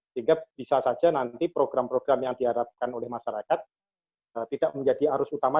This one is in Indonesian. sehingga bisa saja nanti program program yang diharapkan oleh masyarakat tidak menjadi arus utama